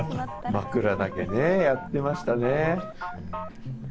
枕投げね、やってましたね。